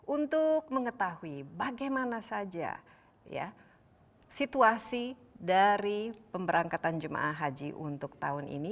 untuk mengetahui bagaimana saja situasi dari pemberangkatan jemaah haji untuk tahun ini